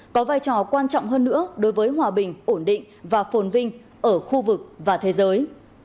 có vai trò quan trọng hơn nữa đối với hòa bình ổn định và phồn vinh ở khu vực và thế giới